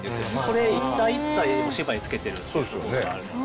これ一体一体お芝居つけてるっていうところがあるので。